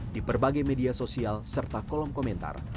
di berbagai media sosial serta kolom komentar